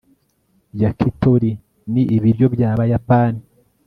yakitori ni ibiryo byabayapani